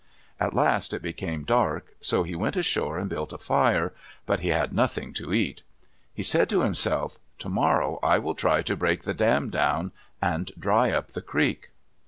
At last it became dark, so he went ashore and built a fire, but he had nothing to eat. He said to himself, "Tomorrow I will try to break the dam down and dry up the creek."